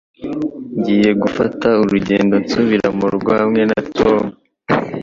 Ngiye gufata urugendo nsubira murugo hamwe na Tom.